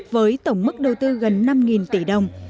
với tổng mức đầu tư gần năm tỷ đồng